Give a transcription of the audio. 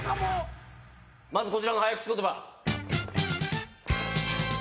まずこちらの早口言葉。